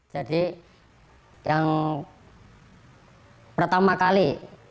jadi yang pertama kali